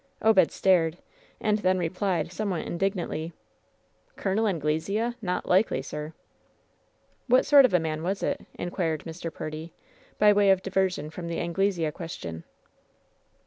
Obed stared, and then replied, somewhat indignantly : "Col. Anglesea ? Not likely, sir." *What sort of a man was it ?" inquired Mr. Purdy, by way of diversion from the Anglesea question.